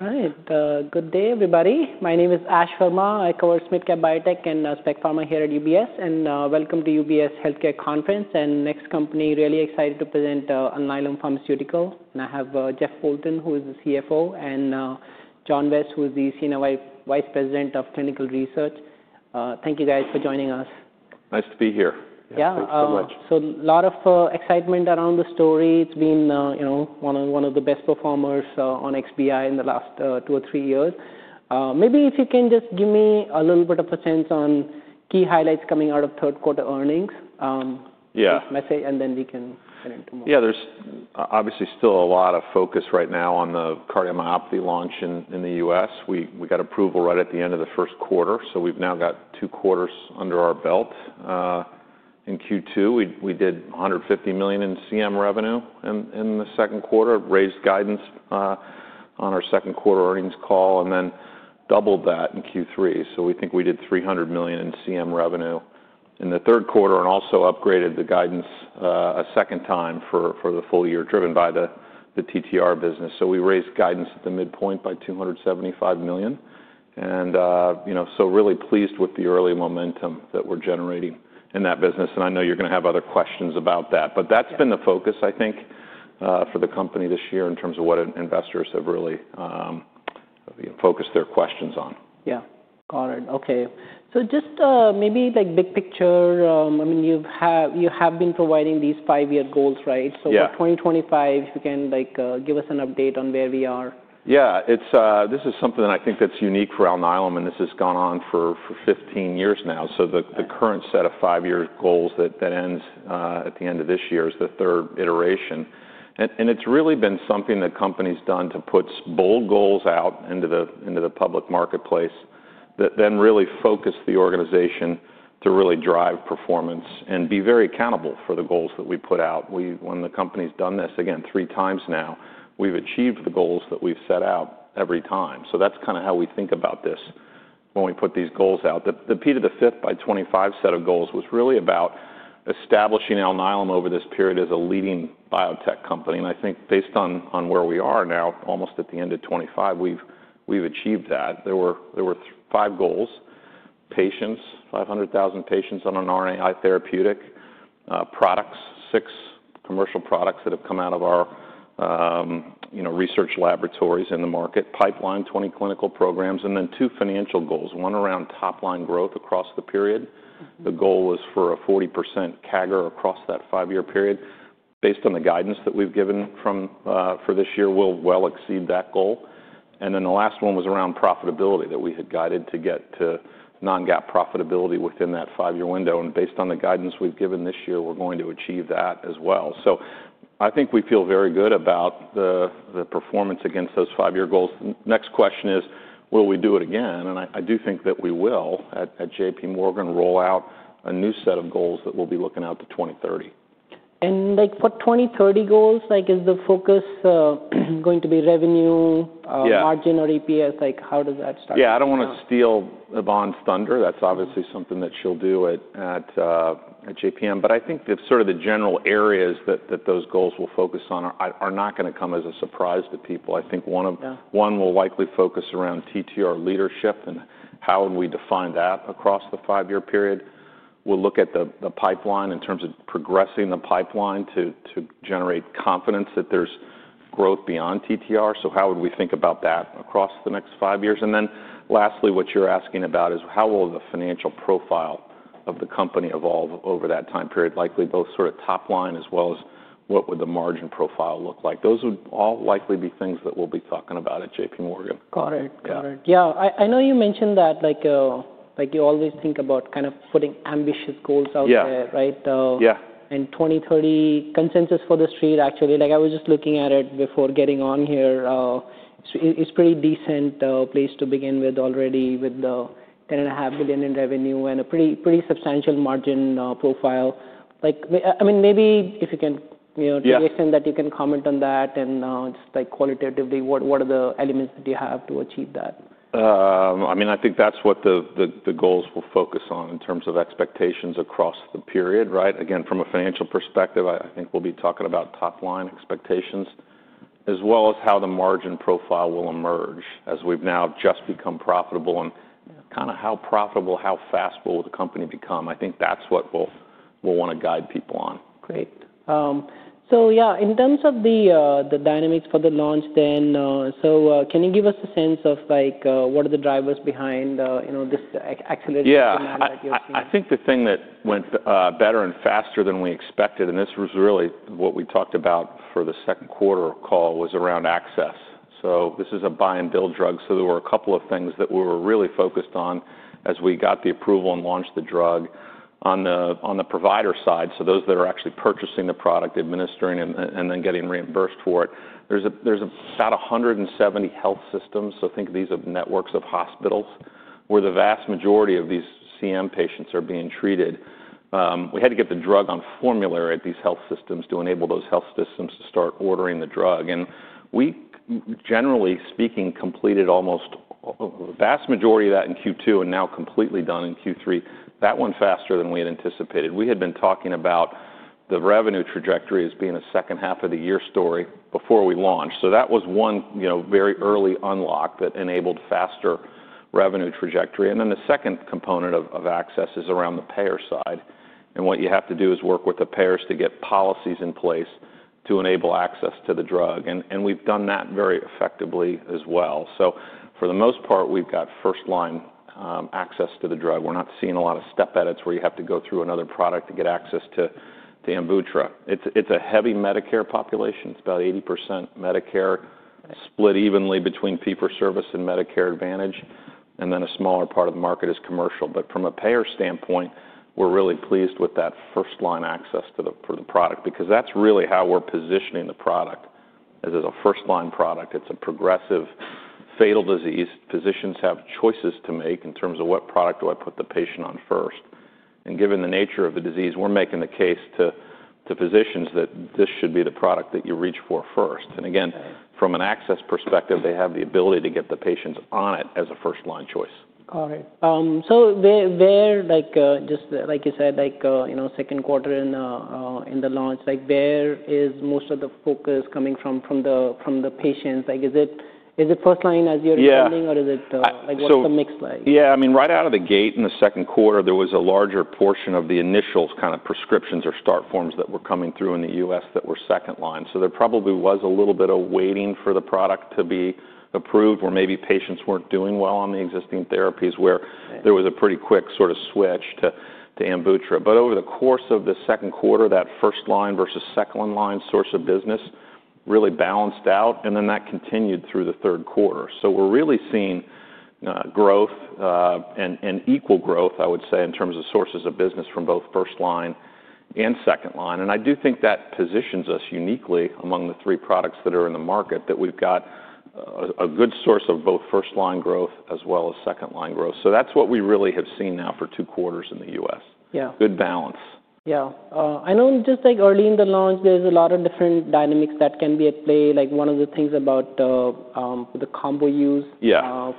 All right. Good day, everybody. My name is Ash Verma. I cover SMID care biotech and Spec Pharma here at UBS. Welcome to UBS Healthcare Conference and next company, really excited to present Alnylam Pharmaceuticals. I have Jeff Poulton, who is the CFO, and John Vest, who is the Senior Vice President of Clinical Research. Thank you, guys, for joining us. Nice to be here. Yeah, thanks so much. A lot of excitement around the story. It's been one of the best performers on XBI in the last two or three years. Maybe if you can just give me a little bit of a sense on key highlights coming out of third quarter earnings. Yeah. Message, and then we can get into more. Yeah, there's obviously still a lot of focus right now on the cardiomyopathy launch in the U.S.. We got approval right at the end of the first quarter. We have now got two quarters under our belt in Q2. We did $150 million in CM revenue in the second quarter, raised guidance on our second quarter earnings call, and then doubled that in Q3. We think we did $300 million in CM revenue in the third quarter and also upgraded the guidance a second time for the full year, driven by the TTR business. We raised guidance at the midpoint by $275 million. I am really pleased with the early momentum that we are generating in that business. I know you are going to have other questions about that. That has been the focus, I think, for the company this year in terms of what investors have really focused their questions on. Yeah, got it. Okay. So just maybe big picture, I mean, you have been providing these five-year goals, right? Yeah. For 2025, if you can give us an update on where we are. Yeah. This is something that I think that's unique for Alnylam, and this has gone on for 15 years now. The current set of five-year goals that ends at the end of this year is the third iteration. It has really been something that the company's done to put bold goals out into the public marketplace that then really focus the organization to really drive performance and be very accountable for the goals that we put out. When the company's done this, again, 3x now, we've achieved the goals that we've set out every time. That's kind of how we think about this when we put these goals out. The P5x25 set of goals was really about establishing Alnylam over this period as a leading biotech company. I think based on where we are now, almost at the end of 2025, we've achieved that. There were five goals. Patients, 500,000 patients on an RNAi therapeutic, products, six commercial products that have come out of our research laboratories in the market pipeline, 20 clinical programs; and then two financial goals, one around top-line growth across the period. The goal was for a 40% CAGR across that five-year period. Based on the guidance that we've given for this year, we'll well exceed that goal. The last one was around profitability that we had guided to get to non-GAAP profitability within that five-year window. Based on the guidance we've given this year, we're going to achieve that as well. I think we feel very good about the performance against those five-year goals. Next question is, will we do it again? I do think that we will at JPMorgan roll out a new set of goals that we'll be looking out to 2030. For 2030 goals, is the focus going to be revenue, margin, or EPS? How does that start? Yeah, I don't want to steal Yvonne's thunder. That's obviously something that she'll do at JPMorgan. I think sort of the general areas that those goals will focus on are not going to come as a surprise to people. I think one will likely focus around TTR leadership and how we define that across the five-year period. We'll look at the pipeline in terms of progressing the pipeline to generate confidence that there's growth beyond TTR. How would we think about that across the next five years? Lastly, what you're asking about is how will the financial profile of the company evolve over that time period, likely both sort of top-line as well as what would the margin profile look like? Those would all likely be things that we'll be talking about at JPMorgan. Got it. Yeah. I know you mentioned that you always think about kind of putting ambitious goals out there, right? Yeah. 2030 consensus for the street, actually. I was just looking at it before getting on here. It's a pretty decent place to begin with already with the $10.5 billion in revenue and a pretty substantial margin profile. I mean, maybe if you can take a stand that you can comment on that and just qualitatively, what are the elements that you have to achieve that? I mean, I think that's what the goals will focus on in terms of expectations across the period, right? Again, from a financial perspective, I think we'll be talking about top-line expectations as well as how the margin profile will emerge as we've now just become profitable. Kind of how profitable, how fast will the company become? I think that's what we'll want to guide people on. Great. Yeah, in terms of the dynamics for the launch then, can you give us a sense of what are the drivers behind this acceleration that you're seeing? Yeah. I think the thing that went better and faster than we expected, and this was really what we talked about for the second quarter call, was around access. This is a buy-and-bill drug. There were a couple of things that we were really focused on as we got the approval and launched the drug. On the provider side, those that are actually purchasing the product, administering it, and then getting reimbursed for it, there's about 170 health systems. Think of these as networks of hospitals where the vast majority of these CM patients are being treated. We had to get the drug on formulary at these health systems to enable those health systems to start ordering the drug. We, generally speaking, completed almost the vast majority of that in Q2 and now completely done in Q3. That went faster than we had anticipated. We had been talking about the revenue trajectory as being a second half of the year story before we launched. That was one very early unlock that enabled faster revenue trajectory. The second component of access is around the payer side. What you have to do is work with the payers to get policies in place to enable access to the drug. We have done that very effectively as well. For the most part, we have got first-line access to the drug. We are not seeing a lot of step edits where you have to go through another product to get access to the AMVUTTRA. It is a heavy Medicare population. It is about 80% Medicare, split evenly between fee-for-service and Medicare Advantage. A smaller part of the market is commercial. From a payer standpoint, we're really pleased with that first-line access for the product because that's really how we're positioning the product. As a first-line product, it's a progressive fatal disease. Physicians have choices to make in terms of what product do I put the patient on first. Given the nature of the disease, we're making the case to physicians that this should be the product that you reach for first. Again, from an access perspective, they have the ability to get the patients on it as a first-line choice. Got it. Just like you said, second quarter in the launch, where is most of the focus coming from the patients? Is it first-line as you're sending, or is it what's the mix like? Yeah. I mean, right out of the gate in the second quarter, there was a larger portion of the initial kind of prescriptions or start forms that were coming through in the U.S. that were second-line. There probably was a little bit of waiting for the product to be approved where maybe patients were not doing well on the existing therapies where there was a pretty quick sort of switch to AMVUTTRA. Over the course of the second quarter, that first-line versus second-line source of business really balanced out. That continued through the third quarter. We are really seeing growth and equal growth, I would say, in terms of sources of business from both first-line and second-line. I do think that positions us uniquely among the three products that are in the market that we've got a good source of both first-line growth as well as second-line growth. That is what we really have seen now for two quarters in the U.S.. Good balance. Yeah. I know just early in the launch, there's a lot of different dynamics that can be at play. One of the things about the combo use,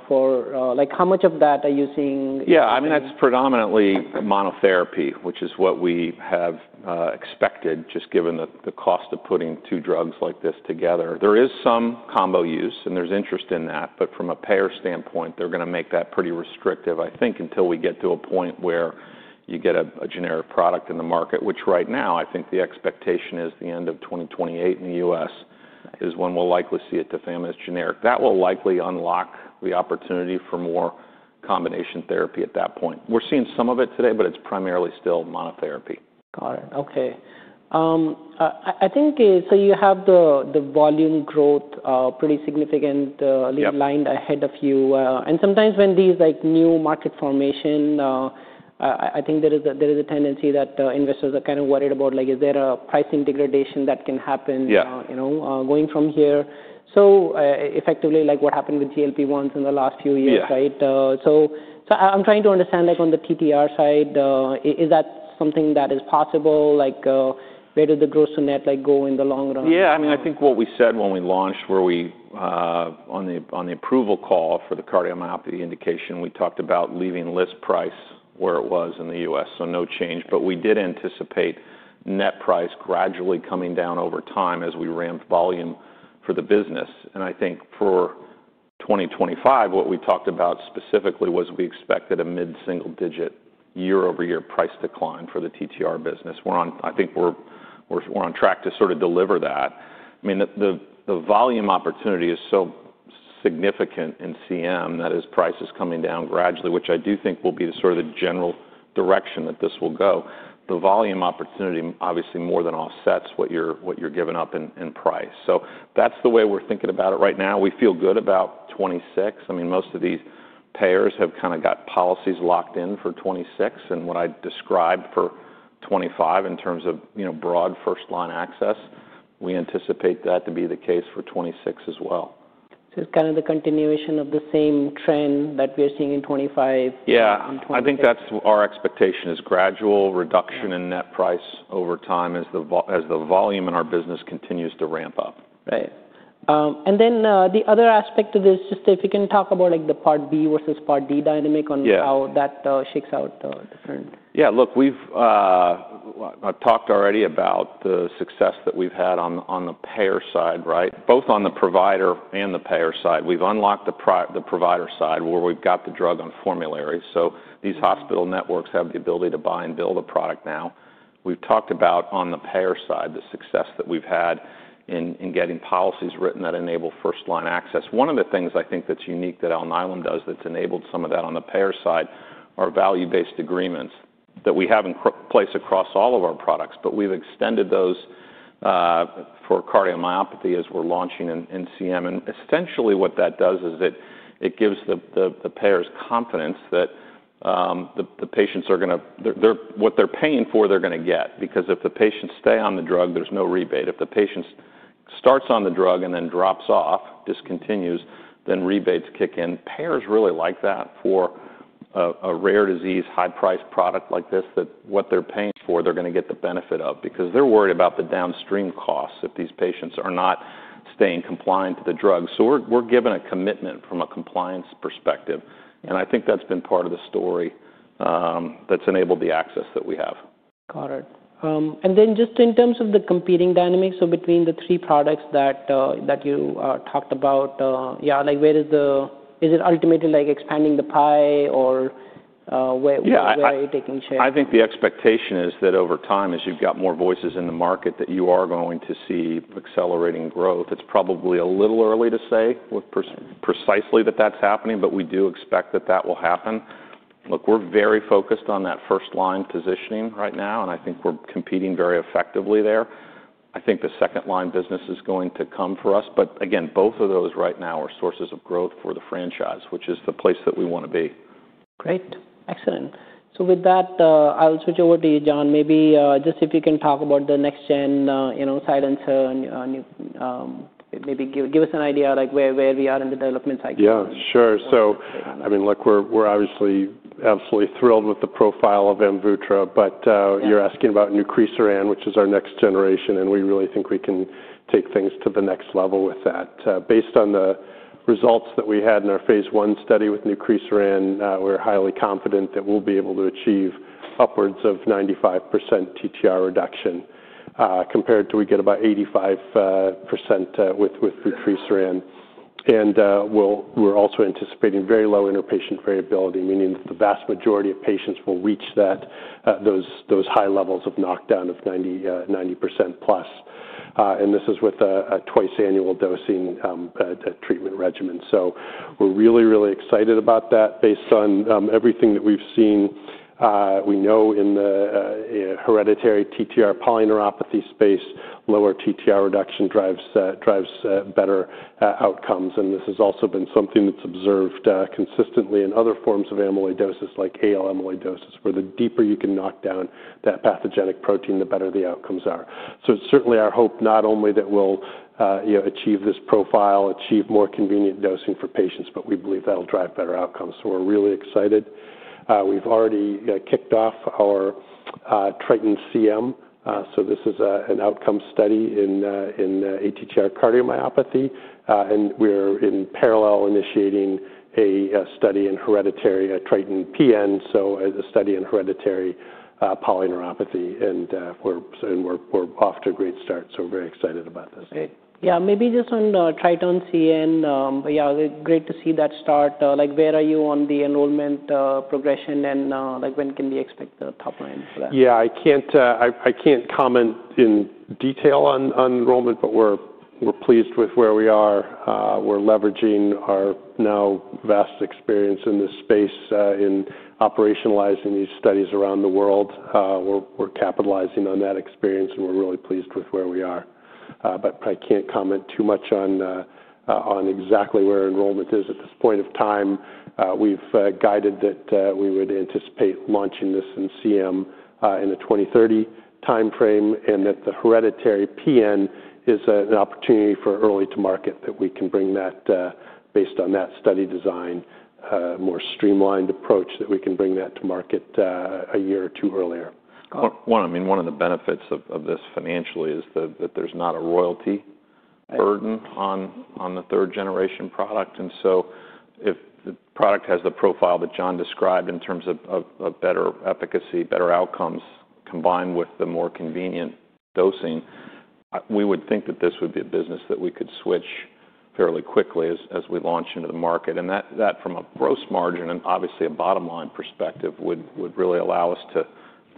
for how much of that are you seeing? Yeah. I mean, that's predominantly monotherapy, which is what we have expected just given the cost of putting two drugs like this together. There is some combo use, and there's interest in that. From a payer standpoint, they're going to make that pretty restrictive, I think, until we get to a point where you get a generic product in the market, which right now, I think the expectation is the end of 2028 in the U.S. is when we'll likely see it define as generic. That will likely unlock the opportunity for more combination therapy at that point. We're seeing some of it today, but it's primarily still monotherapy. Got it. Okay. I think you have the volume growth pretty significantly lined ahead of you. Sometimes when these new market formations, I think there is a tendency that investors are kind of worried about, is there a pricing degradation that can happen going from here? Effectively, what happened with GLP-1s in the last few years, right? I'm trying to understand on the TTR side, is that something that is possible? Where do the gross-to-net go in the long run? Yeah. I mean, I think what we said when we launched, where we on the approval call for the cardiomyopathy indication, we talked about leaving list price where it was in the U.S., so no change. But we did anticipate net price gradually coming down over time as we ramp volume for the business. I think for 2025, what we talked about specifically was we expected a mid-single-digit year-over-year price decline for the TTR business. I think we're on track to sort of deliver that. I mean, the volume opportunity is so significant in CM that as price is coming down gradually, which I do think will be sort of the general direction that this will go, the volume opportunity obviously more than offsets what you're giving up in price. That is the way we're thinking about it right now. We feel good about 2026. I mean, most of these payers have kind of got policies locked in for 2026. And what I described for 2025 in terms of broad first-line access, we anticipate that to be the case for 2026 as well. It's kind of the continuation of the same trend that we are seeing in 2025? Yeah. I think that's our expectation is gradual reduction in net price over time as the volume in our business continues to ramp up. Right. And then the other aspect of this, just if you can talk about the Part B versus Part D dynamic on how that shakes out different. Yeah. Look, we've talked already about the success that we've had on the payer side, right? Both on the provider and the payer side. We've unlocked the provider side where we've got the drug on formulary. So these hospital networks have the ability to buy and bill a product now. We've talked about on the payer side the success that we've had in getting policies written that enable first-line access. One of the things I think that's unique that Alnylam does that's enabled some of that on the payer side are value-based agreements that we have in place across all of our products. We've extended those for cardiomyopathy as we're launching in CM. Essentially what that does is it gives the payers confidence that the patients are going to what they're paying for, they're going to get. Because if the patients stay on the drug, there's no rebate if the patient. Starts on the drug and then drops off, discontinues, then rebates kick in. Payers really like that for a rare disease, high-priced product like this that what they're paying for, they're going to get the benefit of because they're worried about the downstream costs if these patients are not staying compliant to the drug. We are given a commitment from a compliance perspective. I think that's been part of the story that's enabled the access that we have. Got it. And then just in terms of the competing dynamics, so between the three products that you talked about, yeah, where is the, is it ultimately expanding the pie or where are you taking share? Yeah. I think the expectation is that over time, as you've got more voices in the market, that you are going to see accelerating growth. It's probably a little early to say precisely that that's happening, but we do expect that that will happen. Look, we're very focused on that first-line positioning right now, and I think we're competing very effectively there. I think the second-line business is going to come for us. Again, both of those right now are sources of growth for the franchise, which is the place that we want to be. Great. Excellent. With that, I'll switch over to you, John. Maybe just if you can talk about the next-gen side and maybe give us an idea where we are in the development cycle. Yeah. Sure. I mean, look, we're obviously absolutely thrilled with the profile of AMVUTTRA. You're asking about Zilebesiran, which is our next generation, and we really think we can take things to the next level with that. Based on the results that we had in our phase one study with Zilebesiran, we're highly confident that we'll be able to achieve upwards of 95% TTR reduction compared to we get about 85% with AMVUTTRA. We're also anticipating very low interpatient variability, meaning that the vast majority of patients will reach those high levels of knockdown of 90% plus. This is with a twice-annual dosing treatment regimen. We're really, really excited about that based on everything that we've seen. We know in the hereditary TTR polyneuropathy space, lower TTR reduction drives better outcomes. This has also been something that's observed consistently in other forms of amyloidosis like AL amyloidosis where the deeper you can knock down that pathogenic protein, the better the outcomes are. It is certainly our hope not only that we'll achieve this profile, achieve more convenient dosing for patients, but we believe that'll drive better outcomes. We are really excited. We've already kicked off our TRITON-CM. This is an outcome study in ATTR cardiomyopathy. We are in parallel initiating a study in hereditary TRITON-PN, a study in hereditary polyneuropathy. We are off to a great start. We are very excited about this. Great. Yeah. Maybe just on TRITON-CM, yeah, great to see that start. Where are you on the enrollment progression and when can we expect the top line for that? Yeah. I can't comment in detail on enrollment, but we're pleased with where we are. We're leveraging our now vast experience in this space in operationalizing these studies around the world. We're capitalizing on that experience, and we're really pleased with where we are. I can't comment too much on exactly where enrollment is at this point of time. We've guided that we would anticipate launching this in CM in the 2030 timeframe and that the hereditary PN is an opportunity for early to market, that we can bring that based on that study design, more streamlined approach, that we can bring that to market a year or two earlier. I mean, one of the benefits of this financially is that there's not a royalty burden on the third-generation product. If the product has the profile that John described in terms of better efficacy, better outcomes combined with the more convenient dosing, we would think that this would be a business that we could switch fairly quickly as we launch into the market. That from a gross margin and obviously a bottom-line perspective would really allow us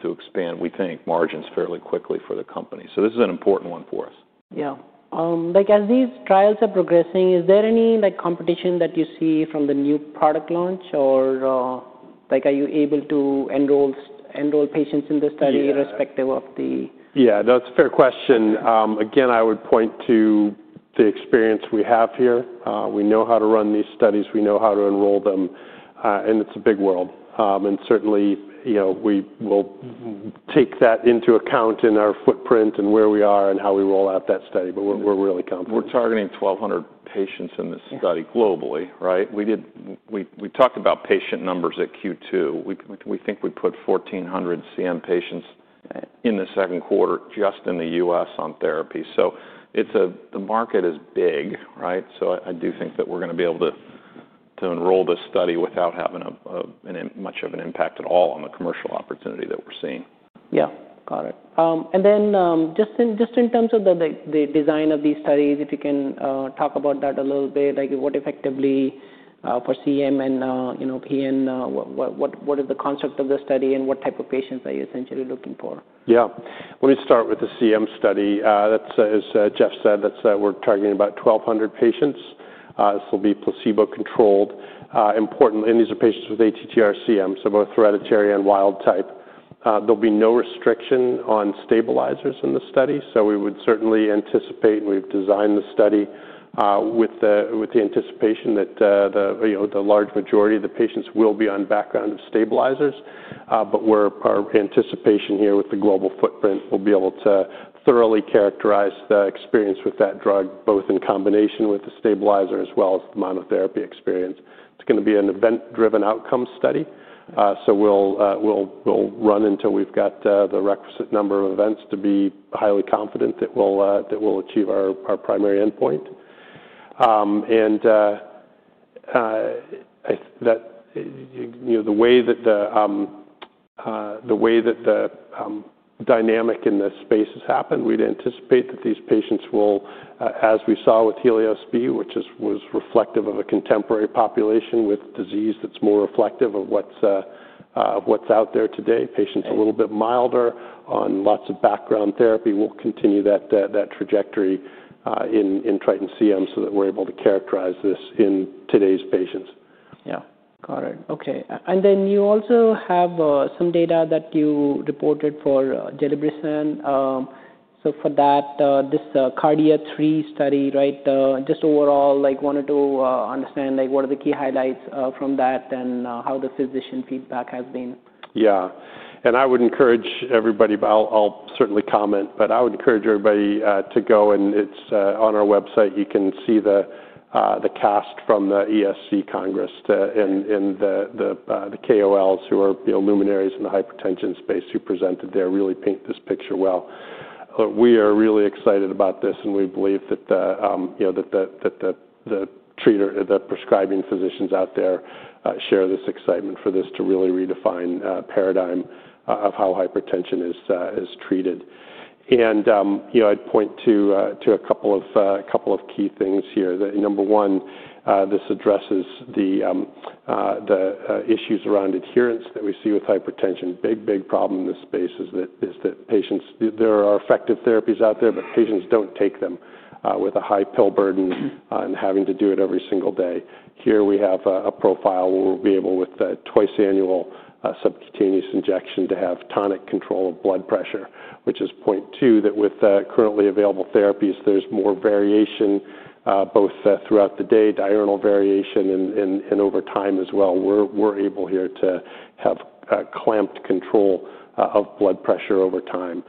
to expand, we think, margins fairly quickly for the company. This is an important one for us. Yeah. As these trials are progressing, is there any competition that you see from the new product launch, or are you able to enroll patients in the study irrespective of that? Yeah. That's a fair question. Again, I would point to the experience we have here. We know how to run these studies. We know how to enroll them. It's a big world. Certainly, we will take that into account in our footprint and where we are and how we roll out that study. We're really confident. We're targeting 1,200 patients in this study globally, right? We talked about patient numbers at Q2. We think we put 1,400 CM patients in the second quarter just in the U.S. on therapy. The market is big, right? I do think that we're going to be able to enroll this study without having much of an impact at all on the commercial opportunity that we're seeing. Yeah. Got it. In terms of the design of these studies, if you can talk about that a little bit, what effectively for CM and PN, what is the concept of the study and what type of patients are you essentially looking for? Yeah. Let me start with the CM study. As Jeff said, we're targeting about 1,200 patients. This will be placebo-controlled. And these are patients with ATTR CM, so both hereditary and wild type. There'll be no restriction on stabilizers in the study. We would certainly anticipate, and we've designed the study with the anticipation that the large majority of the patients will be on background of stabilizers. Our anticipation here with the global footprint, we'll be able to thoroughly characterize the experience with that drug both in combination with the stabilizer as well as the monotherapy experience. It's going to be an event-driven outcome study. We'll run until we've got the requisite number of events to be highly confident that we'll achieve our primary endpoint. The way that the dynamic in this space has happened, we'd anticipate that these patients will, as we saw with HELIOS-B, which was reflective of a contemporary population with disease that's more reflective of what's out there today, patients a little bit milder on lots of background therapy, we'll continue that trajectory in TRITON-CM so that we're able to characterize this in today's patients. Yeah. Got it. Okay. You also have some data that you reporte d for Zilebesiran. For that, this KARDIA-3 study, right, just overall, I wanted to understand what are the key highlights from that and how the physician feedback has been. Yeah. I would encourage everybody, but I'll certainly comment, I would encourage everybody to go and it's on our website. You can see the cast from the ESC Congress and the KOLs who are luminaries in the hypertension space who presented there, really paint this picture well. We are really excited about this and we believe that the prescribing physicians out there share this excitement for this to really redefine paradigm of how hypertension is treated. I'd point to a couple of key things here. Number one, this addresses the issues around adherence that we see with hypertension. Big, big problem in this space is that patients, there are effective therapies out there, but patients don't take them with a high pill burden and having to do it every single day. Here we have a profile where we'll be able with twice-annual subcutaneous injection to have tonic control of blood pressure, which is point two that with currently available therapies, there's more variation both throughout the day, diurnal variation, and over time as well. We're able here to have clamped control of blood pressure over time.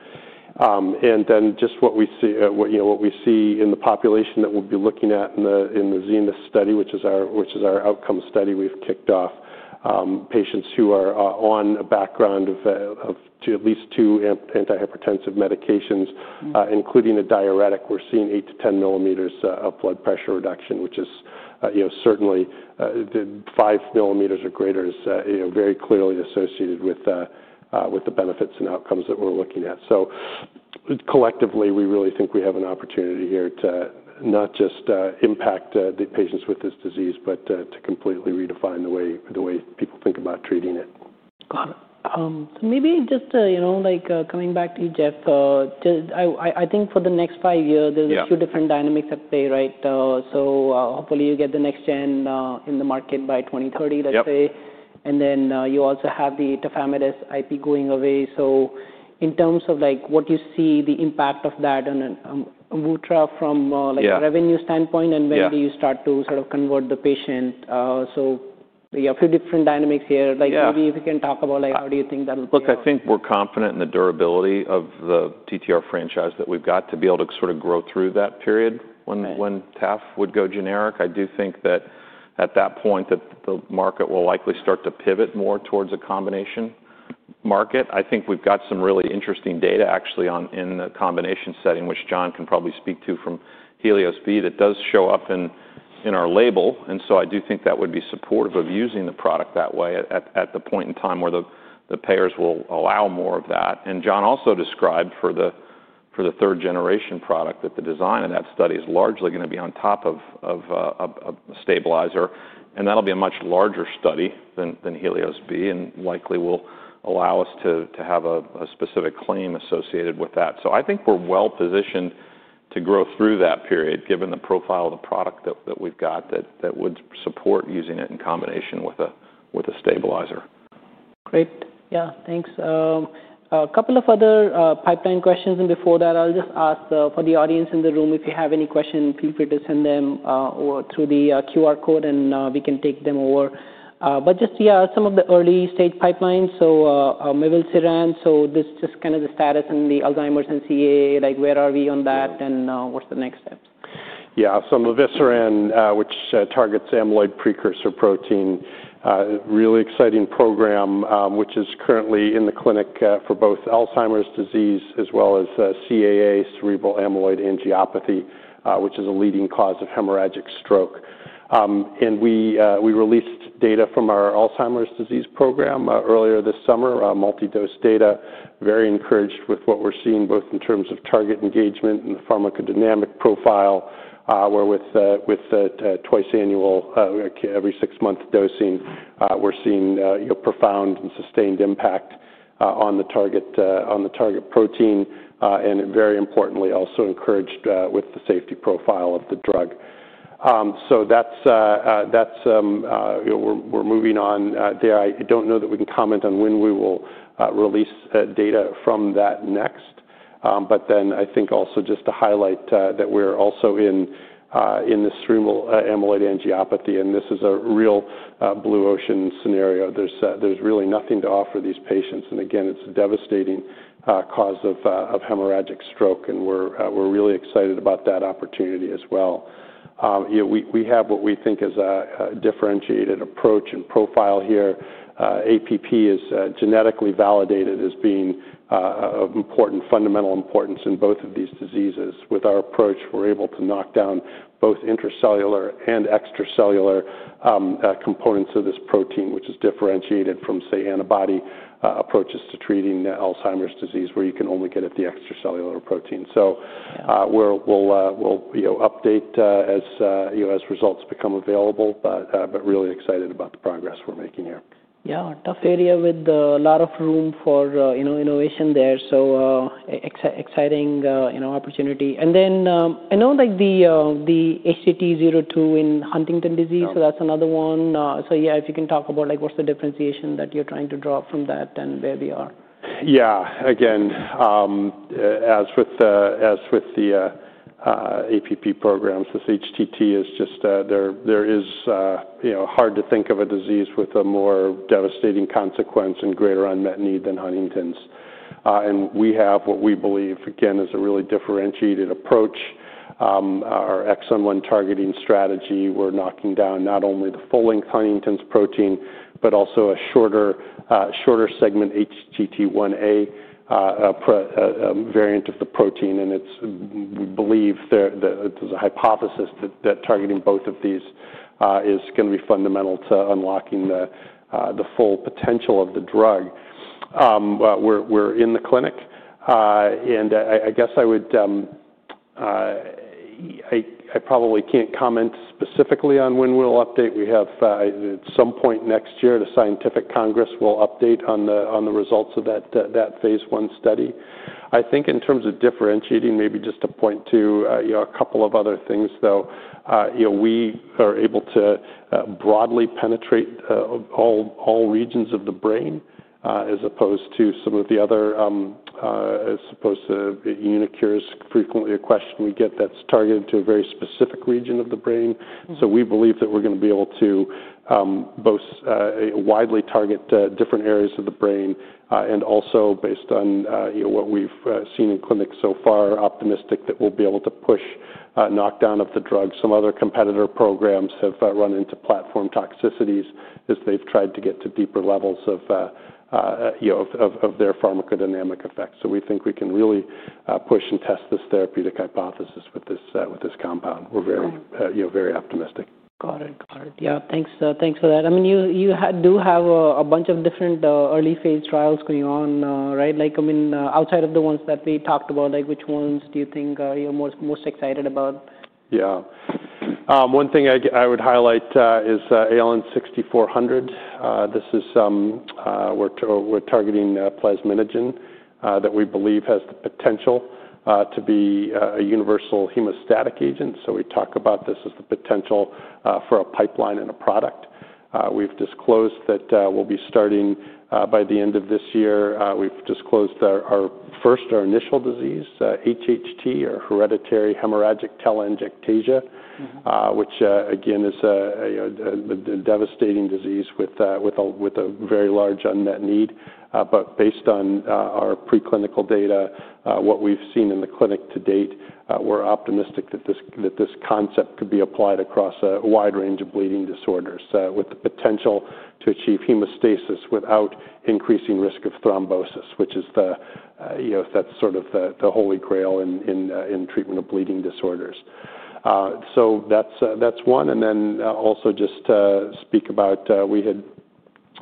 What we see in the population that we'll be looking at in the ZENITH study, which is our outcome study we've kicked off, patients who are on a background of at least two antihypertensive medications, including a diuretic, we're seeing 8-10 millimeters of blood pressure reduction, which is certainly 5 millimeters or greater is very clearly associated with the benefits and outcomes that we're looking at. Collectively, we really think we have an opportunity here to not just impact the patients with this disease, but to completely redefine the way people think about treating it. Got it. Maybe just coming back to you, Jeff, I think for the next five years, there's a few different dynamics at play, right? Hopefully you get the next gen in the market by 2030, let's say. You also have the tafamidis IP going away. In terms of what you see, the impact of that on AMVUTTRA from a revenue standpoint and when do you start to sort of convert the patient? A few different dynamics here. Maybe if you can talk about how you think that will play out. Look, I think we're confident in the durability of the TTR franchise that we've got to be able to sort of grow through that period when taf would go generic. I do think that at that point, the market will likely start to pivot more towards a combination market. I think we've got some really interesting data actually in the combination setting, which John can probably speak to from HELIOS-B that does show up in our label. I do think that would be supportive of using the product that way at the point in time where the payers will allow more of that. John also described for the third-generation product that the design of that study is largely going to be on top of a stabilizer. That'll be a much larger study than HELIOS-B and likely will allow us to have a specific claim associated with that. I think we're well positioned to grow through that period given the profile of the product that we've got that would support using it in combination with a stabilizer. Great. Yeah. Thanks. A couple of other pipeline questions. Before that, I'll just ask for the audience in the room, if you have any questions, feel free to send them through the QR code and we can take them over. Just, yeah, some of the early-stage pipelines. So mivelsiran, so this is just kind of the status in the Alzheimer's and CAA, where are we on that and what's the next steps? Yeah. Mivelsiran, which targets amyloid precursor protein, really exciting program, which is currently in the clinic for both Alzheimer's disease as well as CAA, cerebral amyloid angiopathy, which is a leading cause of hemorrhagic stroke. We released data from our Alzheimer's disease program earlier this summer, multidose data, very encouraged with what we're seeing both in terms of target engagement and the pharmacodynamic profile, where with twice-annual, every six-month dosing, we're seeing profound and sustained impact on the target protein and very importantly also encouraged with the safety profile of the drug. We're moving on there. I don't know that we can comment on when we will release data from that next. I think also just to highlight that we're also in the cerebral amyloid angiopathy and this is a real blue ocean scenario. There's really nothing to offer these patients. It is a devastating cause of hemorrhagic stroke and we're really excited about that opportunity as well. We have what we think is a differentiated approach and profile here. APP is genetically validated as being of important fundamental importance in both of these diseases. With our approach, we're able to knock down both intracellular and extracellular components of this protein, which is differentiated from, say, antibody approaches to treating Alzheimer's disease where you can only get at the extracellular protein. We will update as results become available, but really excited about the progress we're making here. Yeah. Tough area with a lot of room for innovation there. Exciting opportunity. I know the HTT02 in Huntington disease, so that's another one. Yeah, if you can talk about what's the differentiation that you're trying to draw from that and where we are. Yeah. Again, as with the APP programs, this HTT is just, there is hard to think of a disease with a more devastating consequence and greater unmet need than Huntington's. We have what we believe, again, is a really differentiated approach. Our XM1 targeting strategy, we're knocking down not only the full-length Huntington's protein, but also a shorter segment HTT1a variant of the protein. We believe there's a hypothesis that targeting both of these is going to be fundamental to unlocking the full potential of the drug. We're in the clinic. I guess I would, I probably can't comment specifically on when we'll update. We have at some point next year, the scientific congress will update on the results of that phase one study. I think in terms of differentiating, maybe just to point to a couple of other things though, we are able to broadly penetrate all regions of the brain as opposed to some of the other, as opposed to UniQure's, frequently a question we get that's targeted to a very specific region of the brain. We believe that we're going to be able to both widely target different areas of the brain and also based on what we've seen in clinics so far, optimistic that we'll be able to push knockdown of the drug. Some other competitor programs have run into platform toxicities as they've tried to get to deeper levels of their pharmacodynamic effects. We think we can really push and test this therapeutic hypothesis with this compound. We're very optimistic. Got it. Yeah. Thanks for that. I mean, you do have a bunch of different early-phase trials going on, right? I mean, outside of the ones that we talked about, which ones do you think you're most excited about? Yeah. One thing I would highlight is ALN-6400. This is where we're targeting plasminogen that we believe has the potential to be a universal hemostatic agent. We talk about this as the potential for a pipeline and a product. We've disclosed that we'll be starting by the end of this year. We've disclosed our first, our initial disease, HHT or hereditary hemorrhagic telangiectasia, which again is a devastating disease with a very large unmet need. Based on our preclinical data, what we've seen in the clinic to date, we're optimistic that this concept could be applied across a wide range of bleeding disorders with the potential to achieve hemostasis without increasing risk of thrombosis, which is the, that's sort of the holy grail in treatment of bleeding disorders. That's one. We had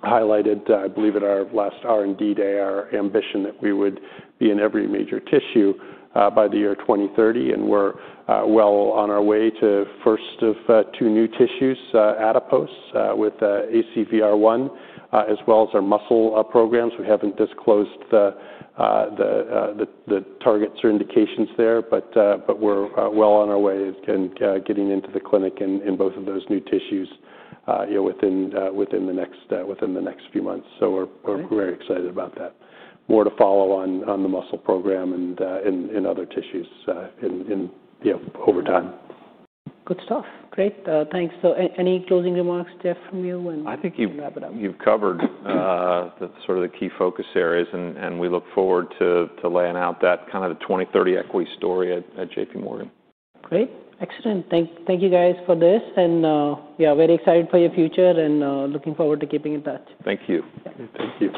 highlighted, I believe at our last R&D day, our ambition that we would be in every major tissue by the year 2030. We are well on our way to first of two new tissues, adipose with ACVR1, as well as our muscle programs. We have not disclosed the target certifications there, but we are well on our way and getting into the clinic in both of those new tissues within the next few months. We are very excited about that. More to follow on the muscle program and in other tissues over time. Good stuff. Great. Thanks. Any closing remarks, Jeff, from you? I think you've covered sort of the key focus areas and we look forward to laying out that kind of the 2030 equity story at JPMorgan. Great. Excellent. Thank you guys for this. Yeah, very excited for your future and looking forward to keeping in touch. Thank you. Thank you.